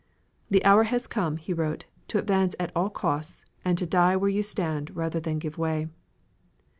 "The hour has come," he wrote, "to advance at all costs, and to die where you stand rather than give way."